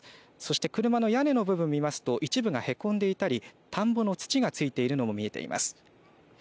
そして車の屋根の部分を見ますと一部が凹んでいたり田んぼの土がついているのも見えています。